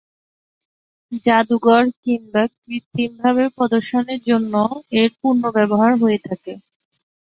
জাদুঘর কিংবা কৃত্রিমভাবে প্রদর্শনের জন্যেও এর পুনর্ব্যবহার হয়ে থাকে।